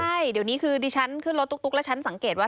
ใช่เดี๋ยวนี้คือดิฉันขึ้นรถตุ๊กแล้วฉันสังเกตว่า